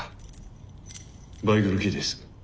バイクのキーです。